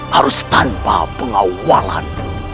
harus tanpa pengawalan